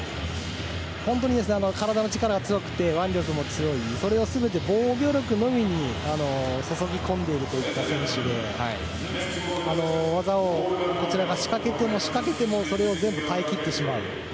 本当に体の力が強くて腕力も強いそれを全て防御力のみに注ぎ込んでいるといった選手で技をこちらが仕掛けても仕掛けてもそれを全部耐えきってしまう。